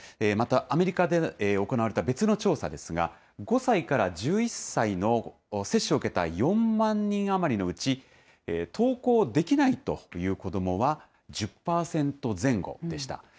またアメリカで行われた別の調査ですが、５歳から１１歳の接種を受けた４万人余りのうち、登校できないという子どもは１０％前後でした。